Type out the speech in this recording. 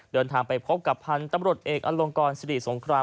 เดินทางไปพบกับพันธุ์ตำรวจเอกอลงกรสิริสงคราม